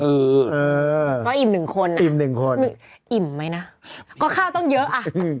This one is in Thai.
เออก็อิ่มหนึ่งคนอ่ะอิ่มหนึ่งคนอิ่มไหมนะก็ข้าวต้องเยอะอ่ะอืม